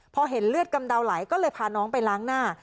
พอเห็นเลือดกำเดาไหลก็เลยพาน้องไปล้างหน้า